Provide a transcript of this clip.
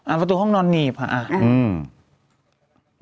อ่าประตูห้องนอนหนีบฮะอืมอืม